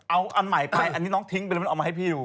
เอาอันใหม่ไปอันนี้น้องทิ้งไปแล้วมันเอามาให้พี่ดู